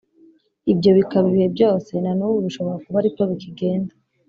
Ibyo bikaba ibihe byose na n ubu bishobora kuba ari ko bikigenda